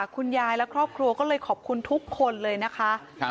คุณยายและครอบครัวก็เลยขอบคุณทุกคนเลยนะคะ